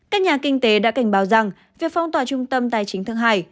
các nhà kinh tế đã cảnh báo rằng việc phong tỏa trung tâm tài chính thượng hải